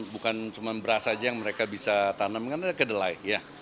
bukan cuma beras saja yang mereka bisa tanamkan adalah kedelai